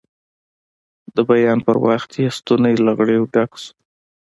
د بیان پر وخت یې ستونی له غریو ډک شو.